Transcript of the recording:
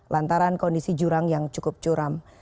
lantaran kondisi jurang yang cukup curam